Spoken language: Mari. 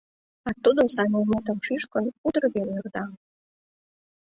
А тудо, саде «эметым» шӱшкын, утыр веле ӧрда.